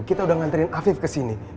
kita udah ngantriin afif ke sini